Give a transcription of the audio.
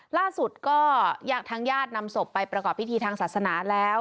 ล่าสุดก็ทางญาตินำศพไปประกอบพิธีทางศาสนาแล้ว